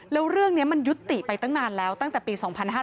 แล้วเรื่องนี้มันยุติไปตั้งนานแล้วตั้งแต่ปี๒๕๕๙